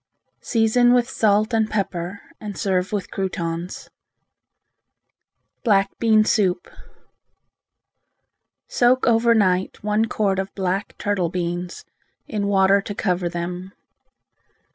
Season with salt and pepper and serve with croutons. Black Bean Soup Soak over night one quart of black turtle beans in water to cover them.